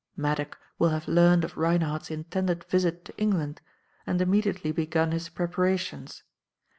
Maddock will have learned of Reinhardt's intended visit to England and immediately begun his preparations.